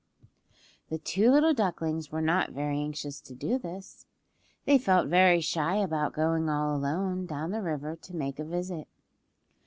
The two little ducklings were not very anxious to do this. They felt very shy about going all alone down the river to make a visit.